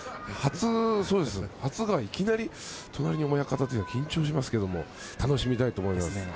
初が、いきなり隣に親方というのは緊張しますけど楽しみたいと思います。